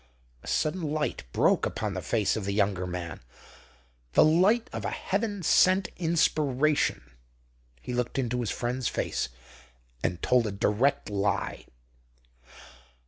A sudden light broke upon the face of the younger man, the light of a heaven sent inspiration. He looked into his friend's face, and told a direct lie.